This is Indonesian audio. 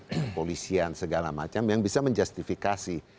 kepolisian segala macam yang bisa menjustifikasi